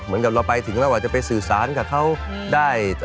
เหมือนกับเราไปถึงเราอาจจะไปสื่อสารกับเขาได้